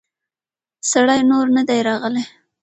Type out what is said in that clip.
سړی نور نه دی راغلی.